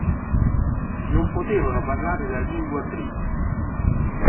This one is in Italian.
Non potevano parlare la lingua Cree.